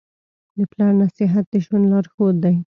د پلار نصیحت د ژوند لارښود دی.